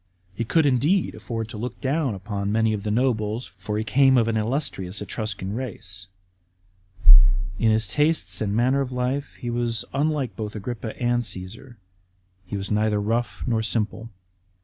He could indeed afford to look down upon many of the nobles ; for he came of an illustrious Etruscan race. In his tastes and manner of life he was unlike both Agrippa and Cassar. He was neither rough nor simple.